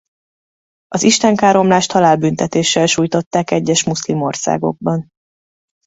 Az istenkáromlást halálbüntetéssel sújtották egyes muszlim országokban.